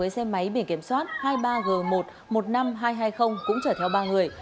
xe máy biển kiểm soát hai mươi ba g một một mươi năm nghìn hai trăm hai mươi cũng chở theo ba người